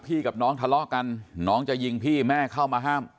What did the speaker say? กับน้องทะเลาะกันน้องจะยิงพี่แม่เข้ามาห้าม